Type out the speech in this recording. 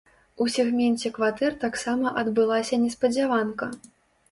У сегменце кватэр таксама адбылася неспадзяванка.